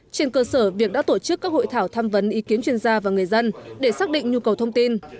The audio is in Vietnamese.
trên cơ sở việc đã tổ chức các hội thảo tham vấn ý kiến chuyên gia và người dân để xác định nhu cầu thông tin